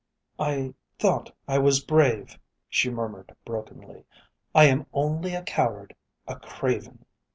"I thought I was brave," she murmured brokenly. "I am only a coward, a craven."